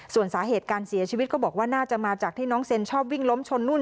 ส่วนสาเหตุการเสียชีวิตก็บอกว่าน่าจะมาจากที่น้องเซ็นชอบวิ่งล้มชนนู่น